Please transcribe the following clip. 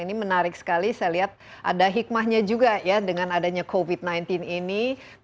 ini menarik sekali saya lihat ada hikmahnya juga ya dengan adanya covid sembilan belas ini